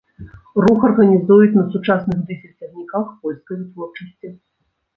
Рух арганізуюць на сучасных дызель-цягніках польскай вытворчасці.